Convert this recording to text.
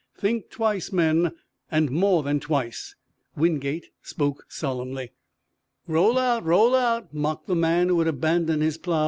Think twice, men, and more than twice!" Wingate spoke solemnly. "Roll out! Roll out!" mocked the man who had abandoned his plow.